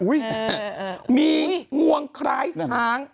มีงวงคล้ายช้าง